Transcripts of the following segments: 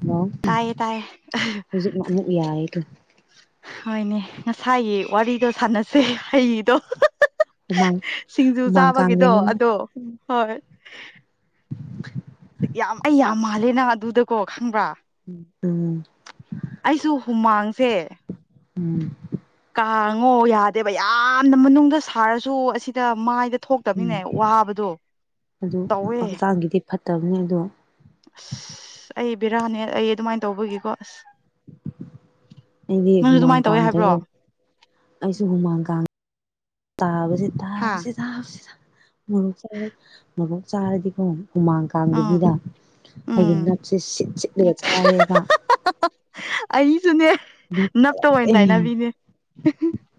hello ꯇꯥꯏꯌꯦ ꯇꯥꯏꯌꯦ ꯑꯍ ꯍꯧꯖꯤꯛꯅ ꯑꯃꯨꯛ ꯌꯥꯔꯦꯗꯣ ꯍꯣꯏꯅꯦ ꯉꯁꯥꯏꯒꯤ ꯋꯥꯔꯤꯗꯣ ꯁꯥꯟꯅꯁꯦ ꯍꯩꯒꯤꯗꯣ ꯍꯨꯃꯥꯡ ꯁꯤꯡꯖꯨ ꯍꯨꯃꯥꯡ ꯀꯥꯡꯗꯦ ꯆꯥꯕꯒꯤꯗꯣ ꯑꯗꯣ ꯍꯣꯏ ꯌꯥꯝ ꯑꯩ ꯌꯥꯝ ꯃꯥꯜꯂꯦ ꯅꯪ ꯑꯗꯨꯗꯀꯣ ꯈꯪꯕ꯭ꯔꯥ ꯎꯝ ꯑꯩꯁꯨ ꯍꯨꯃꯥꯡꯁꯦ ꯎꯝ ꯀꯥꯡꯉꯣ ꯌꯥꯗꯦꯕ ꯌꯥꯝꯅ ꯃꯅꯨꯡꯗ ꯁꯥꯔꯁꯨ ꯑꯁꯤꯗ ꯃꯥꯏꯗ ꯎꯝ ꯊꯣꯛꯇꯕꯅꯤꯅꯦ ꯋꯥꯕꯗꯣ ꯑꯗꯨ ꯇꯧꯋꯦ ꯍꯛꯆꯥꯡꯒꯤꯗꯤ ꯐꯠꯇꯕꯅꯦ ꯑꯗꯣ ꯑꯁ ꯑꯩ ꯕꯤꯔꯥꯅꯤ ꯑꯩ ꯑꯗꯨꯃꯥꯏꯅ ꯇꯧꯕꯒꯤꯀꯣ ꯑꯁ ꯑꯩꯗꯤ ꯅꯪꯁꯨ ꯍꯨꯃꯥꯡ ꯑꯗꯨꯃꯥꯏꯅ ꯇꯧꯋꯦ ꯍꯥꯏꯕ꯭ꯔꯣ ꯀꯥꯡꯗꯦꯕꯣ ꯑꯩꯁꯨ ꯍꯨꯃꯥꯡ ꯀꯥꯡ ꯇꯥꯕ ꯥꯥꯁꯤꯗꯥꯝ ꯍꯥ ꯁꯤꯗꯥꯝ ꯁꯤꯗꯥꯝ ꯃꯣꯔꯣꯛ ꯆꯥꯔꯒ ꯃꯣꯔꯣꯛ ꯆꯥꯔꯗꯤꯀꯣ ꯍꯨꯃꯥꯡ ꯑꯥ ꯀꯥꯡꯕꯁꯤꯗ ꯑꯩꯒꯤ ꯎꯝ ꯅꯞꯁꯦ ꯁꯤꯠ ꯁꯤꯠꯂꯒ ꯆꯥꯏꯌꯦꯕ ꯑꯗꯨꯅꯦ ꯅꯞꯇ ꯑꯣꯏꯅ ꯑꯦ ꯇꯥꯏꯅꯕꯤꯅꯦ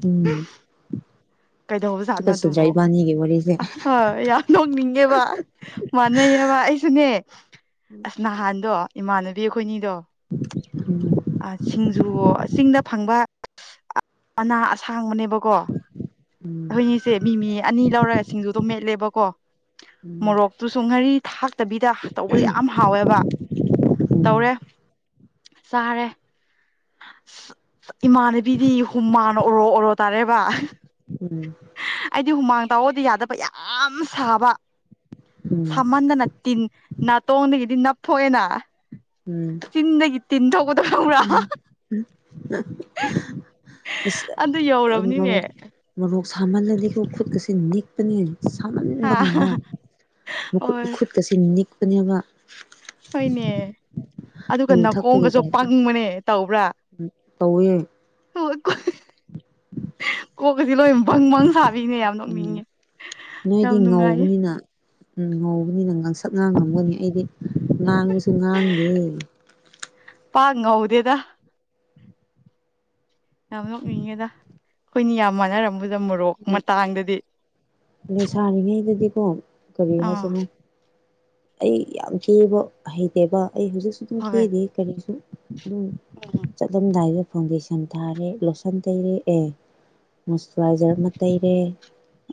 ꯎꯝ ꯀꯩꯗꯧꯕ ꯖꯥꯠꯅꯣ ꯇꯨꯀꯠꯆꯗ꯭ꯔꯥ ꯑꯗꯨꯕꯣ ꯏꯕꯥꯅꯤꯒꯤ ꯋꯥꯔꯤꯁꯦ ꯑ ꯍ ꯌꯥꯝ ꯅꯣꯛꯅꯤꯡꯉꯦꯕ ꯃꯥꯟꯅꯩꯌꯦꯕ ꯑꯩꯁꯨꯅꯦ ꯑꯁ ꯅꯍꯥꯟꯗꯣ ꯏꯃꯥꯟꯅꯕꯤ ꯑꯩꯈꯣꯏꯅꯤꯗꯣ ꯎꯝ ꯑ ꯁꯤꯡ ꯖꯨ ꯆꯤꯡꯗ ꯐꯪꯕ ꯃꯥꯅ ꯑꯁꯥꯡꯕꯅꯦꯕꯀꯣ ꯎꯝ ꯑꯈꯣꯏꯅꯤꯁꯦ ꯃꯤꯃꯤ ꯑꯅꯤ ꯂꯧꯔꯒ ꯁꯤꯡꯖꯨꯗꯣ ꯃꯦꯠꯂꯦꯕꯀꯣ ꯃꯣꯔꯣꯛꯇꯨꯁꯨ ꯉꯥꯔꯤ ꯇꯕꯤꯗ ꯇꯧꯕꯗ ꯌꯥꯝ ꯍꯥꯎꯋꯦꯕ ꯎꯝ ꯇꯧꯔꯦ ꯆꯥꯔꯦ ꯏꯃꯥꯟꯅꯕꯤꯗꯤ ꯍꯨꯝꯃꯥꯡꯅ ꯑꯣꯔꯣ ꯑꯣꯔꯣ ꯇꯥꯔꯦꯕ ꯍ ꯎꯝ ꯑꯩꯗꯤ ꯍꯨꯃꯥꯡ ꯇꯥꯎꯑꯣꯗꯤ ꯌꯥꯗꯕ ꯌꯥꯝ ꯁꯥꯕ ꯎꯝ ꯎꯝ ꯁꯥꯃꯟꯗꯅ ꯇꯤꯟ ꯅꯥꯇꯣꯟꯗꯒꯤꯗꯤ ꯅꯞꯊꯣꯛꯑꯦꯅ ꯎꯝ ꯆꯤꯟꯗꯒꯤ ꯇꯤꯟꯊꯣꯛꯄꯗꯣ ꯈꯪꯕ꯭ꯔꯥ ꯑ ꯍꯥ ꯍꯥ ꯏꯝ ꯎꯝ ꯏꯁ ꯑꯗꯨ ꯌꯧꯔꯕꯅꯤꯅꯦ [unintelligible] ꯃꯣꯛ ꯁꯥꯃꯜꯂꯗꯤꯀꯣ ꯈꯨꯠꯀꯁꯦ ꯅꯤꯛꯄꯅꯦ ꯍꯥ ꯁꯥꯃꯟꯕ ꯀꯥꯟꯗ ꯃꯈꯨꯠ ꯍꯣꯏ ꯈꯨꯨꯠꯀꯁꯦ ꯅꯤꯛꯄꯅꯦꯕ ꯍꯣꯏꯅꯦ ꯑꯗꯨꯒ ꯌꯨ ꯊꯛꯄꯒꯤ ꯅꯥꯀꯣꯡꯒꯁꯨ ꯇꯥꯏꯞꯇ ꯄꯪꯕꯅꯦ ꯇꯧꯕ꯭ꯔꯥ ꯇꯧꯋꯦ ꯀꯣꯛꯀꯁꯦ ꯂꯣꯢ ꯕꯪ ꯕꯪ ꯁꯥ ꯎꯝ ꯅꯣꯏꯗꯤ ꯅꯨꯡꯉꯥꯏꯌꯦ ꯉꯧꯕꯅꯤꯅ ꯎꯝ ꯉꯧꯕꯅꯤꯅ ꯉꯥꯡꯁꯛ ꯉꯥꯡꯉꯝꯒꯅꯤ ꯑꯩꯗꯤ ꯉꯥꯡꯕꯁꯨ ꯉꯥꯡꯗꯦ ꯄꯥꯛ ꯉꯧꯗꯦꯗ ꯌꯥꯝ ꯅꯣꯛꯅꯤꯡꯉꯦꯗ ꯑꯩꯈꯣꯏꯅꯤ ꯌꯥꯝ ꯃꯥꯟꯅꯔꯝ ꯎꯝ ꯂꯩꯁꯥꯔꯤꯉꯩꯗꯗꯤ ꯀꯣ ꯀꯔꯤ ꯑꯥ ꯍꯥꯏꯁꯤꯔꯥ ꯑꯩ ꯌꯥꯝ ꯀꯦꯕ ꯍꯩꯇꯦꯕ ꯑꯩ ꯍꯧꯖꯤꯛꯁꯨ ꯑꯗꯨꯝ ꯍꯣꯏ ꯀꯦꯗꯦ ꯀꯔꯤꯁꯨ ꯑꯗꯨꯝ ꯎꯝ ꯆꯠꯂꯝꯗꯥꯏꯗ ꯐꯥꯎꯟꯗꯦꯁꯟ ꯊꯥꯔꯦ ꯂꯣꯁꯟ ꯇꯩꯔꯦ ꯑꯦ ꯃꯣꯏꯁꯇꯨꯔꯥꯏꯖꯔ ꯑꯃ ꯇꯩꯔꯦ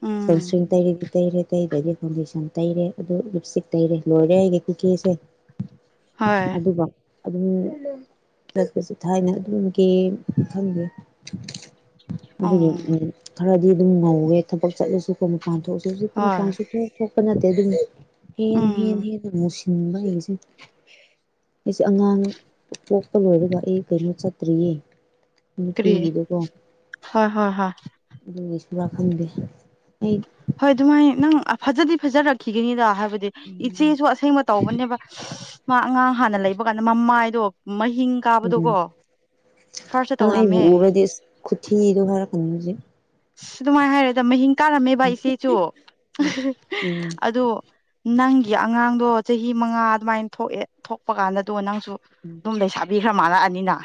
ꯎꯝ ꯁꯟꯁꯀ꯭ꯔꯤꯟ ꯇꯩꯔꯦꯒꯦ ꯇꯩꯔꯦ ꯇꯩꯗꯒꯤ ꯐꯥꯎꯟꯗꯦꯁꯟ ꯇꯩꯔꯦ ꯑꯗꯨ ꯂꯤꯞꯁꯇꯤꯛ ꯇꯩꯔꯦ ꯂꯣꯏꯔꯦ ꯑꯩꯒꯤ ꯈꯨꯀꯦꯁꯦ ꯍꯣꯏ ꯑꯗꯨꯕꯧ ꯑꯗꯨꯝ ꯆꯠꯄꯁꯨ ꯊꯥꯏꯅ ꯑꯗꯨꯝ ꯀꯦꯌꯦ ꯈꯪꯗꯦ ꯑꯗꯨꯒꯤ ꯎꯝ ꯈꯔꯗꯤ ꯑꯗꯨꯝ ꯉꯧꯋꯦ ꯊꯕꯛ ꯆꯠꯂꯁꯨꯀꯣꯝ ꯃꯄꯥꯟ ꯊꯣꯛꯇꯁꯨ ꯍꯣꯏ [unintelligible] ꯊꯣꯛꯄ ꯅꯠꯇꯦ ꯑꯗꯨꯝ ꯍꯦꯟ ꯍꯦꯟ ꯎꯝ ꯍꯦꯟꯅ ꯃꯨꯁꯤ [unintelligible] ꯑꯩꯁꯨ ꯑꯉꯥꯡ ꯄꯣꯛꯄ ꯂꯣꯏꯕꯗ ꯑꯩ ꯀꯩꯅꯣ ꯆꯠꯇ꯭ꯔꯤꯌꯦ ꯀꯔꯤ ꯅꯨꯄꯤꯒꯤꯗꯨꯀꯣ ꯍꯣꯏ ꯍꯣꯏ ꯍꯣꯏ ꯂ ꯈꯪꯗꯦ ꯑꯩ ꯍꯣꯏ ꯑꯗꯨꯃꯥꯏꯅ ꯅꯪ ꯐꯖꯗꯤ ꯐꯖꯔꯛꯈꯤꯒꯅꯤꯗ ꯍꯥꯏ ꯕꯗꯤ ꯎꯝ ꯏꯆꯦꯁꯨ ꯑꯁꯦꯡꯕ ꯇꯧꯕꯅꯦꯕ ꯃꯥ ꯑꯉꯥꯡ ꯍꯥꯟꯅ ꯂꯩꯕ ꯀꯥꯟꯗ ꯃꯃꯥꯏꯗꯣ ꯃꯍꯤꯡ ꯎꯝ ꯀꯥꯕꯗꯨꯀꯣ ꯅꯪ ꯑꯩꯕꯨ ꯎꯔꯗꯤ ꯑꯁ ꯈꯨꯊꯤꯗꯣ ꯍꯥꯏꯔꯛꯀꯅꯤ ꯍꯧꯖꯤꯛ ꯁ ꯑꯗꯨꯃꯥꯏꯅ ꯍꯥꯏꯔꯣꯢꯗ ꯃꯍꯤꯡ ꯀꯥꯔꯝꯃꯦꯕ ꯏꯆꯦꯁꯨ ꯑꯣ ꯎꯝ [unintelligible] ꯑꯗꯨ ꯅꯪꯒꯤ ꯑꯉꯥꯡꯗꯣ ꯆꯍꯤ ꯃꯉꯥ ꯑꯗꯨꯃꯥꯏꯅ ꯊꯣꯛꯑꯦ ꯊꯣꯛꯄ ꯀꯥꯟꯗ ꯗꯨꯒ ꯅꯪꯁꯨ ꯎꯝ ꯑꯗꯨꯝ ꯂꯩꯁꯥꯕꯤ ꯈꯔ ꯃꯥꯂꯛꯑꯅꯤꯅ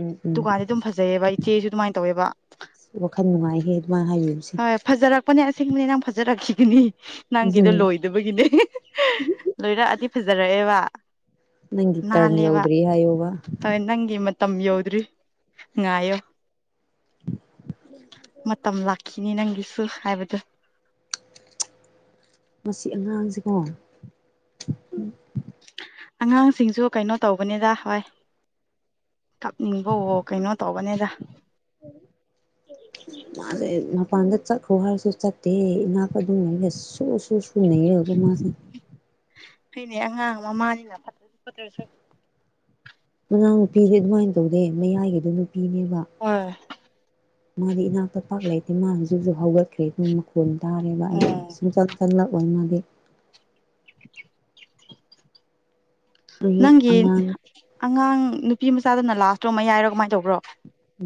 ꯎꯝ ꯎꯝ ꯗꯨꯀꯥꯟꯗꯤ ꯑꯗꯨꯝ ꯐꯖꯩꯌꯦꯕ ꯏꯆꯦꯁꯨ ꯑꯗꯨꯃꯥꯏꯅ ꯇꯧꯋꯦꯕ ꯋꯥꯈꯜ ꯅꯨꯡꯉꯥꯏꯍꯦ ꯑꯗꯨꯃꯥꯢ ꯍꯥꯏꯕꯤꯕꯁꯦ ꯁꯦꯡꯕꯅꯦ ꯅꯪꯪ ꯐꯖꯔꯛꯈꯤꯒꯅꯤ ꯅꯪꯒꯤꯗꯣ ꯎꯝ ꯂꯣꯏꯗꯕꯒꯤꯅꯦ [unintelligible] ꯂꯣꯏꯔꯛꯑꯗꯤ ꯐꯖꯔꯛꯑꯦꯕ ꯅꯪꯒꯤ ꯇꯔꯟ ꯅꯥꯜꯂꯦꯕ ꯌꯧꯗ꯭ꯔꯤ ꯍꯥꯏꯌꯣꯕ ꯍꯣꯢ ꯅꯪꯒꯤ ꯃꯠ ꯇꯝꯕꯤꯌꯣ ꯉꯥꯏꯌꯣ ꯃꯇꯝ ꯂꯥꯛꯈꯤꯅꯤ ꯅꯪꯒꯤꯁꯨ ꯍꯥꯏꯕꯗꯣ ꯃꯁꯤ ꯑꯉꯥꯡꯁꯦꯀꯣ ꯎꯝ ꯑꯉꯥꯡꯁꯤꯡꯁꯨ ꯀꯩꯅꯣ ꯇꯧꯕꯅꯤꯗ ꯋꯥꯏ ꯀꯞꯅꯤꯡꯕꯋꯣ ꯀꯩꯅꯣ ꯇꯧꯕꯅꯦꯗ [inaudible] ꯃꯥꯁꯦ ꯃꯄꯥꯟꯗ ꯆꯠꯈ꯭ꯔꯣ ꯍꯥꯏꯔꯁꯨ ꯆꯠꯇꯦ ꯏꯅꯥꯛ ꯑꯗꯨꯝ ꯂꯩꯔ ꯁꯨ ꯁꯨ ꯁꯨꯅꯩꯔꯒ ꯀꯣ ꯃꯥ [inaudible] ꯍꯣꯏꯅꯦ ꯑꯉꯥꯡ ꯃꯥꯅꯤꯅ ꯐꯠ ꯐꯠꯇ꯭ꯔꯁꯨ ꯃꯅꯥꯎ ꯅꯨꯄꯤꯗꯤ ꯑꯗꯨꯃꯥꯏꯅ ꯇꯧꯗꯦ ꯃꯌꯥꯏꯒꯤꯗꯨ ꯅꯨꯄꯤꯅꯦꯕ ꯍꯣꯏ ꯃꯥꯗꯤ ꯏꯅꯥꯛꯇ ꯄꯥꯛ ꯂꯩꯇꯦ ꯃꯥ ꯍꯧꯖꯤꯛꯁꯨ ꯍꯧꯒꯠꯈ꯭ꯔꯦ ꯄꯨꯡ ꯃꯈꯣꯡ ꯇꯥꯔꯦꯕ ꯑꯩ ꯎꯝ ꯁꯨꯡꯆꯪ ꯆꯪꯂꯛꯑꯣ ꯃꯗꯤ ꯑꯩꯒꯤ ꯅꯪꯒꯤ ꯑꯉꯥꯡ ꯑꯉꯥꯡ ꯅꯨꯄꯤ ꯃꯆꯥꯗꯨꯅ ꯂꯥꯁꯇꯣ ꯃꯌꯥꯏꯔꯣ ꯀꯃꯥꯏ ꯇꯧꯕ꯭ꯔꯣ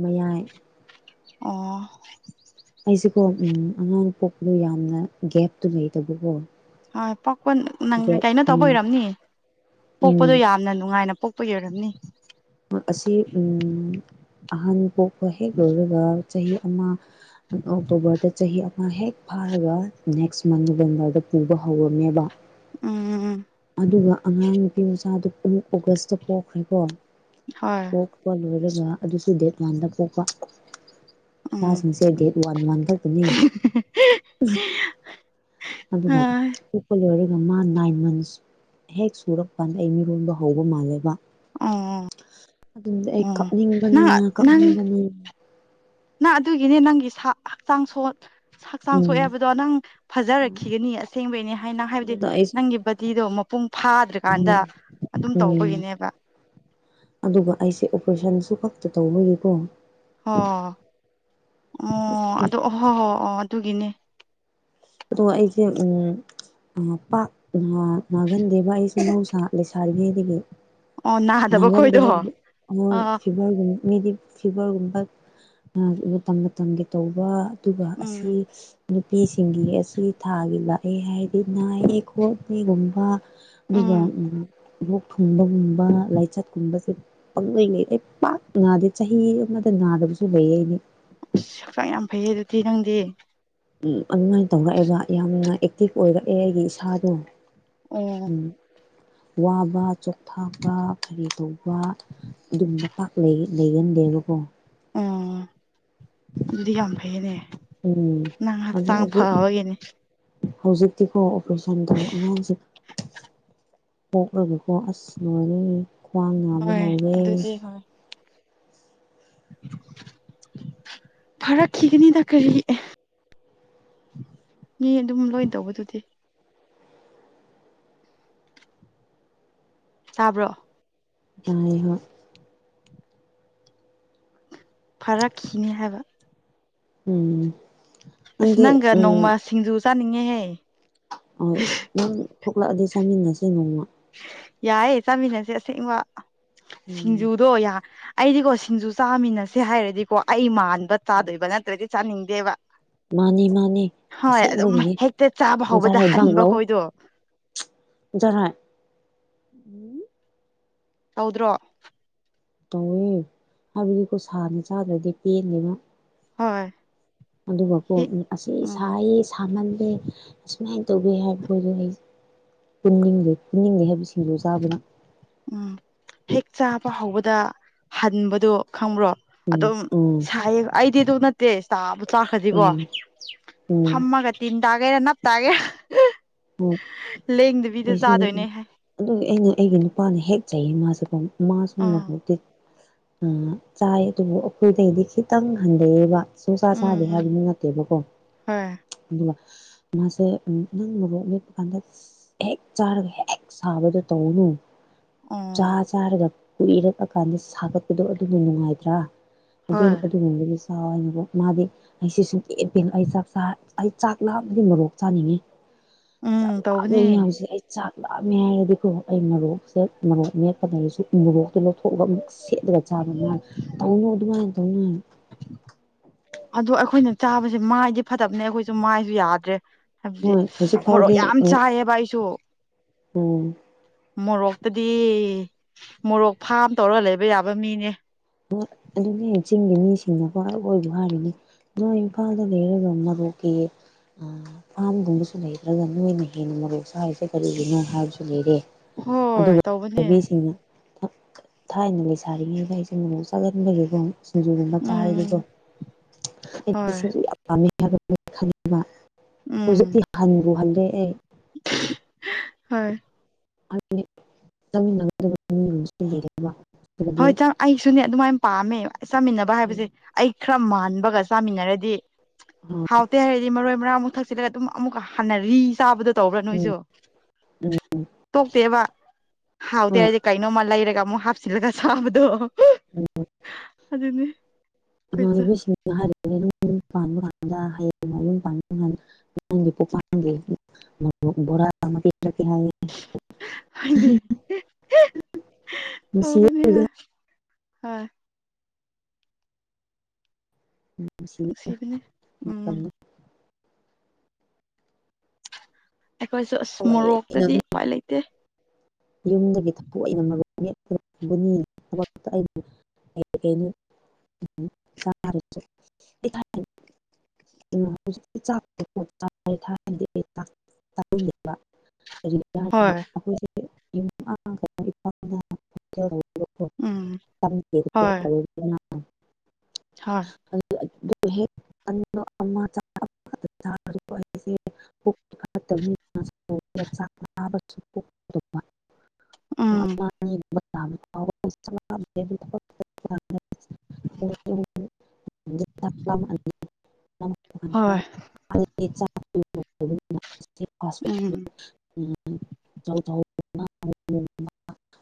ꯃꯌꯥꯏ ꯑꯣ ꯑꯩꯁꯤꯀꯣ ꯎꯝ ꯑꯉꯥꯡ ꯄꯣꯛꯄꯗꯨ ꯌꯥꯝꯅ ꯒꯦꯞꯇꯨ ꯂꯩꯇꯕꯀꯣ ꯍꯣꯏ ꯄꯣꯛꯄ ꯅꯪ ꯒꯦꯞ ꯀꯩꯅꯣ ꯇꯧꯕ ꯎꯝ ꯑꯣꯏꯔꯝꯅꯤ ꯎꯝ ꯄꯣꯛꯄꯗꯣ ꯌꯥꯝꯅ ꯅꯨꯡꯉꯥꯏꯅ ꯄꯣꯛ ꯄꯩ ꯑꯣꯏꯔꯝꯅꯤ ꯑꯁꯤ ꯎꯝ ꯑꯍꯟ ꯄꯣꯛꯄ ꯍꯦꯛ ꯂꯣꯏꯔꯒ ꯆꯍꯤ ꯑꯃ ꯑꯣꯛꯇꯣꯕꯔꯗ ꯆꯍꯤ ꯑꯃ ꯍꯦꯛ ꯐꯥꯔꯒ ꯅꯦꯛꯁ ꯃꯟ ꯅꯕꯦꯝꯕꯔꯗ ꯄꯨꯕ ꯍꯧꯔꯝꯃꯦꯕ ꯎꯝ ꯎꯝ ꯑꯗꯨꯒ ꯑꯉꯥꯡ ꯅꯨꯄꯤ ꯃꯆꯥꯗꯨ ꯄꯨꯡ ꯑꯣꯒꯁꯇ ꯄꯣꯛꯈ꯭ꯔꯦꯀꯣ ꯍꯣꯏ ꯄꯣꯛꯄ ꯂꯣꯏꯔꯒ ꯑꯗꯨꯒ ꯑꯗꯨꯁꯨ ꯗꯦꯠ ꯋꯥꯟꯗ ꯄꯣꯛꯄ ꯎꯝ ꯆꯥꯁꯤꯡꯁꯦ ꯗꯦꯠ ꯋꯥꯟ ꯋꯥꯟ ꯈꯛꯇꯅꯤ ꯑꯗꯨ ꯃ ꯍꯣꯏ ꯎꯄꯂꯣꯏꯔ ꯑꯗꯨ ꯃꯥ ꯅꯥꯏꯟ ꯃꯟꯁ ꯍꯦꯛ ꯁꯨꯔꯛ ꯀꯥꯟꯗ ꯑꯩ ꯃꯤꯔꯣꯟꯕ ꯍꯧꯕ ꯃꯥꯜꯂꯦꯕ ꯎꯝ ꯑꯗꯨꯝꯗꯤ ꯑꯩ ꯀꯞꯅꯤꯡꯕꯅ ꯀꯞꯅꯤꯡꯕꯅ ꯅ ꯑꯗꯨꯒꯤꯅꯦ ꯅꯪꯒꯤ ꯁ ꯍꯛꯆꯥꯡ ꯁꯣ [inaudible] ꯍꯛꯆꯥꯡ ꯁꯣꯛꯑꯦ ꯍꯥꯏꯕꯗꯣ ꯅꯪ ꯐꯖꯔꯛꯈꯤꯒꯅꯤ ꯑꯁꯦꯡꯕꯩꯅꯦ ꯍꯥꯏꯅ ꯍꯥꯏꯕꯗꯤ ꯑꯗꯨꯗ ꯑꯩꯁꯨ ꯅꯪꯒꯤ ꯕꯗꯤꯗꯣ ꯃꯄꯨꯡ ꯐꯥꯗ꯭ꯔꯀꯥꯟꯗ ꯑꯗꯨꯝ ꯎꯝ ꯇꯧꯕꯒꯤꯅꯦꯕ ꯑꯗꯨꯒ ꯑꯩꯁꯦ ꯑꯗꯨꯨ ꯈꯛꯇ ꯇꯧꯕꯒꯤꯀꯣ ꯍꯣ ꯑꯣ ꯑꯗꯨ ꯑꯣ ꯍꯣ ꯍꯣ ꯑꯣ ꯑꯗꯨꯒꯤꯅꯦ ꯑꯗꯣ ꯑꯩꯁꯦ ꯎꯝ ꯄꯥꯛ ꯅꯥ ꯅꯥꯒꯟꯗꯦꯕ ꯑꯩꯁꯦ ꯃꯍꯧꯁꯥ ꯂꯩ ꯁꯥꯔꯤꯉꯩꯗꯒꯤ ꯑꯣ ꯅꯥꯗꯕ ꯅꯥꯒꯟꯗꯦ ꯈꯣꯏꯗꯣ ꯍꯥꯢꯕꯗꯤ ꯃꯣꯏ ꯑꯥ ꯐꯤꯕꯔꯒꯨꯝ ꯃꯤꯗꯤ ꯐꯤꯕꯔꯒꯨꯝꯕ ꯃꯇꯝ ꯃꯇꯝꯒꯤ ꯇꯧꯕ ꯑꯗꯨꯒ ꯑꯁꯤ ꯎꯝ ꯅꯨꯄꯤꯁꯤꯡ ꯁꯤꯡꯒꯤꯒ ꯑꯁꯤ ꯊꯥꯒꯤ ꯂꯥꯛꯑꯦ ꯍꯥꯏꯔꯗꯤ ꯅꯥꯏꯑꯦ ꯈꯣꯠꯂꯦꯒꯨꯝꯕ ꯑꯗꯨꯒ ꯎꯝ ꯂꯣꯛ ꯊꯨꯡꯕꯒꯨꯝꯕ ꯂꯥꯏꯆꯠꯀꯨꯝꯕꯁꯦ ꯄꯪꯂꯣꯏꯉꯩ ꯄꯥꯛ ꯉꯥꯗꯦ ꯆꯍꯤ ꯑꯃꯗ ꯅꯥꯗꯕꯁꯨ ꯂꯩ ꯑꯩꯗꯤ ꯑꯁ ꯍꯛꯆꯥꯡ ꯌꯥꯝ ꯐꯩꯌꯦ ꯑꯗꯨꯗꯤ ꯅꯪꯗꯤ ꯑꯗꯨꯃꯥꯏꯅ ꯇꯧꯔꯛꯑꯦꯕ ꯌꯥꯝꯅ ꯑꯦꯛꯇꯤꯚ ꯑꯣꯏꯔꯛꯑꯦ ꯑꯩꯒꯤ ꯏꯁꯥꯗꯣ ꯎꯝ ꯋꯥꯕ ꯆꯣꯛꯊꯥꯕ ꯀꯔꯤ ꯇꯧꯕ ꯑꯗꯨꯝꯕ ꯄꯥꯛ ꯂꯩꯒꯟꯗꯦꯕꯀꯣ ꯎꯝ ꯑꯗꯨꯗꯤ ꯌꯥꯝ ꯐꯩꯅꯦ ꯎꯝ ꯑꯗꯣ ꯅꯪꯍꯛꯆꯥꯡ ꯍꯧꯖꯤꯛ ꯐꯕꯒꯤꯅꯦ ꯍꯧꯖꯤꯛꯇꯤꯀꯣ ꯑꯣꯄ꯭ꯔꯦꯁꯟ ꯇꯧ ꯑꯉꯥꯡꯁꯦ ꯄꯣꯛꯄꯒꯤ ꯀꯣ ꯑꯁ ꯂꯣꯏꯔꯦ ꯈ꯭ꯋꯥꯡ ꯅꯥꯕ ꯍꯣꯏ ꯍꯧꯔꯦ ꯑꯗꯨꯗꯤ ꯍꯣꯏ [inaudible] ꯐꯔꯛꯈꯤꯒꯅꯤ ꯗ ꯀ꯭ꯔꯤꯒꯤ ꯃꯤ ꯑꯗꯨꯝ ꯂꯣꯏ ꯇꯧꯕꯗꯨꯗꯤ ꯇꯥꯕ꯭ꯔꯣ ꯇꯥꯏꯌꯦ ꯍꯣꯏ ꯐꯔꯛꯈꯤꯅꯤ ꯍꯥꯏꯕ ꯎꯝ ꯑꯁ ꯅꯪꯗꯤ ꯅꯪꯒ ꯎꯝ ꯅꯣꯡꯃ ꯁꯤꯡꯖꯨ ꯆꯥꯅꯤꯡꯉꯦꯍꯦ ꯍꯣꯏ ꯅꯪ ꯊꯣꯛꯂꯛꯑꯗꯤ ꯆꯥꯃꯤꯟꯅꯁꯦ ꯅꯣꯡꯃ ꯌꯥꯏꯌꯦ ꯆꯥꯃꯤꯟꯅꯁꯦ ꯑꯁꯦꯡꯕ ꯎꯝ ꯁꯤꯡꯖꯨꯗꯣ ꯌꯥ ꯑꯩꯗꯤꯀꯣ ꯁꯤꯡꯖꯨ ꯆꯥꯃꯤꯟꯅꯁꯦ ꯍꯥꯏꯔꯗꯤꯀꯣ ꯑꯩ ꯃꯥꯟꯕ ꯎꯝ ꯆꯥꯗꯣꯏꯕ ꯅꯠꯇ꯭ꯔꯗꯤ ꯆꯥꯅꯤꯡꯗꯦꯕ ꯃꯥꯅꯦ ꯃꯥꯅꯦ ꯍꯣꯏ ꯑꯗꯨꯝ ꯑꯁꯦꯡꯕꯒꯤꯅꯦ ꯍꯦꯛꯇ ꯆꯥꯕ ꯍꯧꯕꯗ ꯍꯟꯕ ꯈꯣꯏꯗꯣ ꯖꯔꯣꯏ ꯎꯝ ꯇꯧꯗ꯭ꯔꯣ ꯇꯧꯋꯦ ꯍꯥꯏꯕꯗꯤꯀꯣ ꯁꯥꯅ ꯆꯥꯗ꯭ꯔꯗꯤ ꯄꯦꯟꯗꯦꯅ ꯍꯣꯏ ꯑꯗꯨꯒꯀꯣ ꯍꯦꯛ ꯑꯁꯤ ꯎꯝ ꯁꯥꯏꯌꯦ ꯁꯥꯃꯜꯂꯦ ꯑꯁꯨꯃꯥꯏꯅ ꯇꯧꯒꯦ ꯍꯥꯏꯕꯁꯨ ꯑꯩ ꯄꯨꯅꯤꯡꯗꯦ ꯄꯨꯅꯤꯡꯗꯦ ꯍꯥꯏꯕꯁꯤ ꯁꯤꯡꯖꯨꯆꯥꯕꯒꯤ ꯎꯝ ꯍꯦꯛ ꯆꯥꯕ ꯍꯧꯕꯗ ꯍꯟꯕꯗꯣ ꯈꯪꯕ꯭ꯔꯣ ꯑꯗꯨꯝ ꯎꯝ ꯁꯥꯏꯌꯦ ꯑꯩꯗꯤ ꯑꯗꯨ ꯇꯦ ꯆꯥꯕꯨ ꯆꯥꯈ꯭ꯔꯗꯤꯀꯣ ꯎꯝ ꯎꯝ ꯐꯝꯃꯒ ꯇꯤꯟ ꯇ ꯑꯩꯅ ꯅꯞ ꯇꯥꯏꯌꯦ ꯑꯣ ꯑꯩꯁꯨꯅꯦ ꯍꯥꯏ ꯑꯗꯨꯒꯤ ꯑꯩꯅ ꯑꯩꯒꯅꯨ ꯅꯨꯄꯥꯅ ꯍꯦꯛ ꯆꯩ ꯃꯥꯁꯨ ꯃꯥꯁꯨ ꯃ ꯑꯥ ꯎꯝ ꯆꯥꯏ ꯑꯗꯨꯕꯨ ꯑꯩꯈꯣꯏꯗꯩꯗꯤ ꯈꯤꯇꯪ ꯍꯟꯊꯩꯑꯦꯕ ꯁꯨꯡꯁꯥ ꯎꯝ ꯆꯥꯗꯦ ꯎꯝ ꯍꯥꯏꯕꯗꯨ ꯅꯠꯇꯦꯕꯀꯣ ꯍꯣꯏ ꯑꯗꯨꯒ ꯃꯥꯁꯦ ꯅꯪ ꯒꯨꯝꯕ ꯃꯦꯠꯄ ꯀꯥꯟꯗ ꯍꯦꯛ ꯆꯥꯔꯒ ꯍꯦꯛ ꯁꯥꯕꯗꯣ ꯇꯧꯒꯅꯨ ꯑꯣ ꯆꯥ ꯆꯥꯔꯒ ꯀꯨꯏꯔꯛꯑꯀꯥꯟꯗ ꯁꯥꯒꯠꯄꯗꯣ ꯑꯗꯨꯅ ꯅꯨꯡꯉꯥꯏꯇ꯭ꯔꯥ ꯑꯗꯨ ꯍꯣꯏ ꯑꯗꯨꯝ ꯑꯣꯏꯔꯁꯨ ꯆꯏꯕ ꯃꯥꯗꯤ ꯑꯩꯁꯤ ꯁꯨꯡꯄꯦꯟ ꯄꯦꯟ ꯑꯩ ꯆꯥꯛ ꯆ ꯑꯩ ꯆꯥꯛꯂꯥꯝꯃꯗꯤ ꯃꯣꯔꯣꯛ ꯆꯥꯅꯤꯡꯉꯦ ꯎꯝ ꯇꯧꯕꯅꯦ ꯆꯥꯛꯂꯥꯝꯃꯤ ꯍꯧꯖꯤꯛ ꯑꯩ ꯆꯥꯛ ꯂꯥꯞꯃꯦ ꯍꯥꯏꯔꯗꯤꯀꯣ ꯑꯩ ꯃꯔꯣꯛꯁꯦ ꯃꯔꯣ ꯃꯦꯞꯄꯗꯔꯁꯨ ꯎꯃꯣꯔꯣꯛꯇꯣ ꯂꯧꯊꯣꯛꯑꯒ ꯑꯃꯨꯛ ꯁꯦꯠꯂꯒ ꯆ ꯄꯕꯅ ꯇꯧꯅꯨ ꯑꯗꯨꯃꯥꯏꯅ ꯇꯧꯅꯨ ꯑꯗꯨ ꯑꯩꯈꯣꯏꯅ ꯆꯥꯕꯁꯦ ꯃꯥꯏꯗꯤ ꯐꯠꯇꯕꯅꯦ ꯑꯩꯈꯣꯏꯁꯨ ꯃꯥꯏꯁꯨ ꯌꯥꯗ꯭ꯔꯦ ꯍꯥꯏꯕꯗꯤ ꯍꯣꯏ ꯍꯧꯖꯤꯛ ꯃꯣꯔꯣꯛ ꯐꯥꯎꯗꯤ ꯌꯥꯝ ꯆꯥꯏꯌꯦꯕ ꯑꯩꯁꯨ ꯎꯝ ꯃꯣꯔꯣꯛꯇꯗꯤ ꯃꯣꯔꯣꯛ ꯐꯥꯝ ꯇꯧꯔꯒ ꯂꯩꯕ ꯌꯥꯕ ꯃꯤꯅꯦ ꯑꯗꯨꯅꯦ ꯆꯤꯡꯒꯤ ꯃꯤꯁꯤꯡꯅꯀꯣ ꯑꯈꯏꯕ ꯍꯥꯏꯔꯤꯅꯤ ꯅꯣꯏ ꯏꯐꯥꯜꯗ ꯂꯩꯔꯒ ꯃꯣꯔꯣꯛꯀꯤ ꯐꯥꯝꯒꯨꯝꯕꯁꯨ ꯂꯩꯇ꯭ꯔꯒ ꯅꯣꯏꯅ ꯍꯦꯟꯅ ꯃꯔꯧꯁꯔꯤꯁꯦ ꯀꯔꯤꯒꯤꯅꯣ ꯍꯥꯏꯕꯁꯨ ꯂꯩꯔꯦ ꯍꯣꯏ ꯑꯗꯨꯒ ꯇꯧꯕꯅꯦ ꯅꯨꯕꯤꯁꯤꯡꯅ ꯊꯥꯏꯅ ꯂꯩꯁꯥꯔꯤꯉꯩꯕ ꯑꯩꯁꯦ ꯃꯣꯔꯣꯛ ꯆꯥꯒꯟꯕꯒꯤꯀꯣ ꯃꯆꯥ ꯍꯥꯏꯔꯤꯗꯣ ꯎꯝ ꯍꯣꯏ ꯑꯩꯁꯨ ꯌꯥꯝ ꯄꯥꯝꯃꯦ ꯍꯥꯏꯕ ꯈꯅꯤꯡꯕ ꯎꯝ ꯍꯧꯖꯤꯛꯇꯤ ꯍꯟꯕꯨ ꯍꯜꯂꯦ ꯑꯩ ꯍꯣꯏ ꯑꯗꯨꯗꯤ ꯆꯠꯃꯤꯟꯅꯗꯕ ꯃꯤ ꯂꯩ ꯍꯣꯏ ꯑꯩꯁꯨꯅꯦ ꯑꯗꯨꯃꯥꯏꯅ ꯄꯥꯝꯃꯦ ꯆꯥꯃꯤꯟꯅꯕ ꯍꯥꯏꯕꯁꯦ ꯎꯝ ꯑꯩ ꯈꯔ ꯃꯥꯟ ꯕꯒ ꯆꯥꯃꯤꯟꯅꯔꯗꯤ ꯍꯥꯎꯇꯦ ꯍꯥꯏꯔꯗꯤ ꯃꯔꯣꯏ ꯃꯔꯥꯡꯃꯨꯛ ꯊꯛꯁꯤꯂꯒ ꯑꯗꯨꯝ ꯑꯃꯨꯛꯀ ꯍꯟꯅꯔꯤ ꯆꯥꯕꯗꯣ ꯇꯧꯕ꯭ꯔꯥ ꯅꯣꯏꯁꯨ ꯎꯝ ꯇꯣꯛꯇꯦꯕ ꯍꯥꯎꯇꯦ ꯍꯣꯏ ꯍꯥꯏꯔꯗꯤ ꯀꯩꯅꯣꯝꯃ ꯂꯩꯔꯒ ꯑꯃꯨꯛ ꯍꯥꯞꯆꯤꯟ ꯏꯔꯒ ꯆꯥꯕꯗꯣ ꯑꯗꯨꯅꯦ ꯈꯣꯏꯁꯨ ꯏꯃꯥꯟꯅꯕꯤꯁꯤꯡꯅ ꯍꯥꯏꯔꯤꯕꯅꯤ ꯄꯥꯟꯕ ꯀꯗ ꯍꯌꯦꯡ ꯅꯌꯨꯝ ꯄꯥꯟꯕ ꯀꯥꯟꯗ ꯅꯪꯒꯤ ꯄꯣꯄꯥꯡꯗꯤ ꯅꯣꯠꯕꯨꯛ ꯚꯣꯔꯥ ꯑꯃ ꯄꯤꯔꯛꯀꯦ ꯍꯥꯢꯑꯦ [unintelligible] ꯅꯨꯡꯁꯤꯑꯦ ꯑꯩꯗꯤ ꯍ ꯅꯨꯡꯁꯤꯌꯦ ꯅꯨꯡꯁꯤꯕꯅꯦ ꯎꯝ ꯃꯇꯝꯗꯣ ꯑꯩꯈꯣꯏꯁꯨ ꯑꯁ ꯃꯣꯔꯣꯛꯇꯗꯤ ꯊꯑꯣꯢꯅꯀꯣ ꯎꯄꯥꯏ ꯂꯩꯇꯦ ꯌꯨꯝꯗꯒꯤ ꯊꯑꯣꯢꯅ ꯃꯔꯨ [unintelligible] ꯅꯤ ꯊꯕꯛꯇ ꯑꯩꯕꯨ ꯀꯩꯀꯩꯅꯣ [unintelligible] [unintelligible] [unintelligible] ꯀꯔꯤꯒꯤꯔ ꯍꯥꯢꯕ ꯍꯣꯏ ꯑꯩꯈꯣꯏꯁꯦ ꯎꯝ ꯍꯣꯏ ꯍꯣꯏ [unintelligible] [unintelligible] ꯍꯦꯛ [unintelligible] ꯎꯝ [unintelligible] [unintelligible] [unintelligible] ꯍꯣꯏ ꯎꯝ [unintelligible] ꯆꯝꯊꯣꯡꯒꯨꯝꯕ [unintelligible]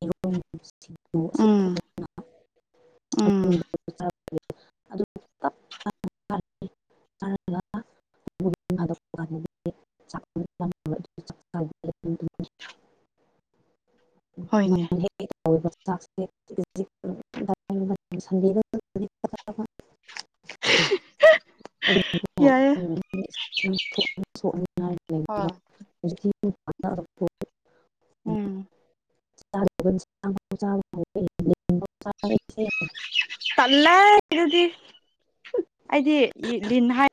ꯌꯦꯔꯨꯝ ꯎꯝ ꯎꯝ [unintelligible] ꯑꯗꯨ [unintelligible] ꯆꯥꯔꯒ ꯑꯃꯨꯛ ꯌꯨꯝ ꯍꯜꯂꯛꯄꯀꯥꯟꯗ [unintelligible] [unintelligible] ꯍꯣꯏꯅꯦ [unintelligible] ꯍꯦꯛ [unintelligible] [unintelligible] ꯌꯥꯏꯌꯦ [unintelligible] ꯍꯣꯏ [unintelligible] ꯎꯝ [unintelligible] ꯇꯜꯂꯦ ꯑꯗꯨꯗꯤ ꯑꯩꯗꯤ ꯂꯤꯟ ꯍꯥꯏ